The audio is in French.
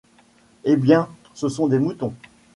Eh bien, ce sont des moutons !